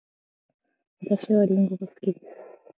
私はりんごが好きです。